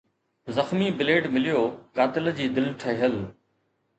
زخمي بليڊ مليو قاتل جي دل ٺهيل